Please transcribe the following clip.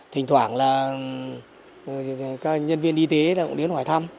thỉnh thoảng là các nhân viên y tế cũng đến hỏi thăm